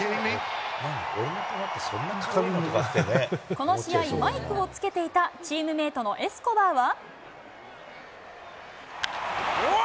この試合、マイクをつけていたチームメートのエスコバーは。